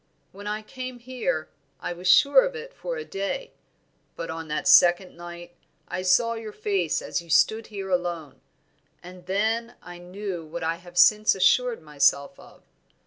When I came here I was sure of it for a day; but on that second night I saw your face as you stood here alone, and then I knew what I have since assured myself of.